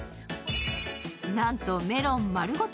なんとメロン丸ごと